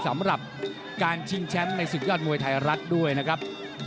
สำหรับการชิงแชมป์ในศึกยอดมวยไทยรัฐด้วยนะครับ